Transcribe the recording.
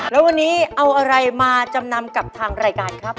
แล้ววันนี้เอาอะไรมาจำนำกับทางรายการครับ